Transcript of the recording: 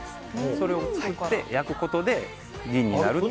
それを作って焼くことで銀になるという。